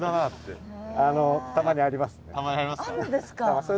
たまにありますか？